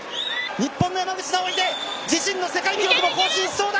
日本の山口尚秀、自身の世界記録の更新しそうだ。